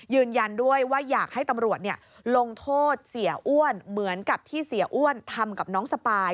ยืนยันด้วยว่าอยากให้ตำรวจลงโทษเสียอ้วนเหมือนกับที่เสียอ้วนทำกับน้องสปาย